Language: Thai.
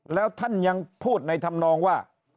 แล้วท่านยังพูดในธรรมนองว่า